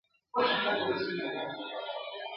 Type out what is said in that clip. یوه ځوان وو په خپل کور کي سپی ساتلی !.